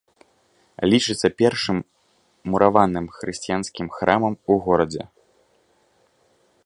Лічыцца першым мураваным хрысціянскім храмам у горадзе.